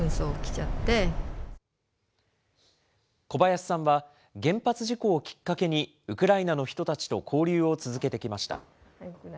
小林さんは、原発事故をきっかけに、ウクライナの人たちと交流を続けてきました。